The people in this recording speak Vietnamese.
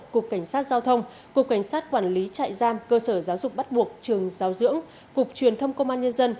cục cảnh sát giao thông cục cảnh sát quản lý trại giam cơ sở giáo dục bắt buộc trường giáo dưỡng